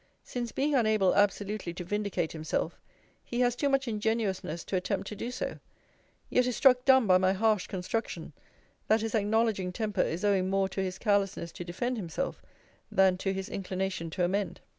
since being unable absolutely to vindicate himself, he has too much ingenuousness to attempt to do so: yet is struck dumb by my harsh construction, that his acknowledging temper is owing more to his carelessness to defend himself, than to his inclination to amend.